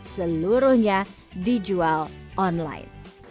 seluruhnya dijual online